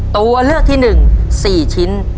ตัวเลือกที่๑๔ชิ้น